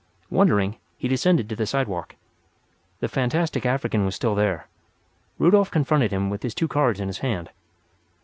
Wondering, he descended to the sidewalk. The fantastic African was still there. Rudolf confronted him with his two cards in his hand.